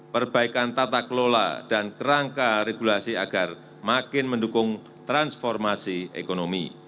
perbaikan tata kelola dan kerangka regulasi agar makin mendukung transformasi ekonomi